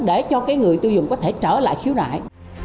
để cho người tiêu dùng có thể trở lại khiếu nại